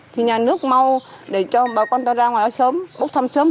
thì nhà nước mau để cho bà con ta ra ngoài nó sớm bốc thăm sớm